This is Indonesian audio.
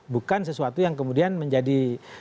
bukan sesuatu yang kemudian menjadi